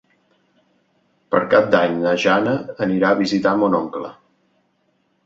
Per Cap d'Any na Jana anirà a visitar mon oncle.